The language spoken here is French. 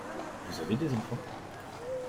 Vous avez des enfants ?